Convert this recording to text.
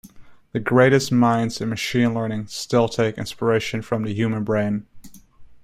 The greatest minds in machine learning still take inspiration from the human brain.